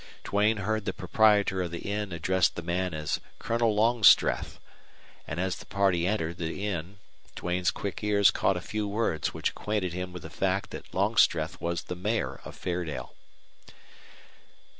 Duane heard the proprietor of the inn address the man as Colonel Longstreth, and as the party entered the inn Duane's quick ears caught a few words which acquainted him with the fact that Longstreth was the Mayor of Fairdale.